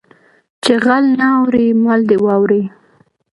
ـ چې غل نه اوړي مل دې واوړي .